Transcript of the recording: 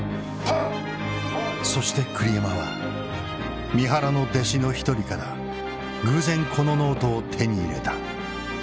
そして栗山は三原の弟子の一人から偶然このノートを手に入れた。